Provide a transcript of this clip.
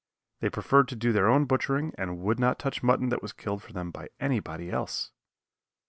They preferred to do their own butchering and would not touch mutton that was killed for them by anybody else.